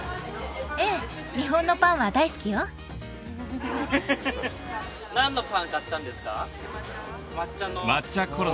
ええ日本のパンは大好きよ何のパン買ったんですか？